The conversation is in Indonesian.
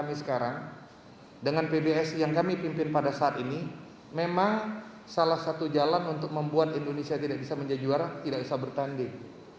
kami sekarang dengan pbsi yang kami pimpin pada saat ini memang salah satu jalan untuk membuat indonesia tidak bisa menjadi juara tidak bisa bertanding